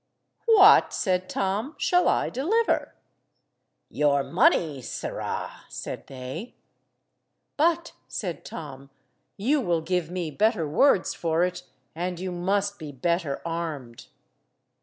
"What," said Tom, "shall I deliver?" "Your money, sirrah," said they. "But," said Tom, "you will give me better words for it, and you must be better armed."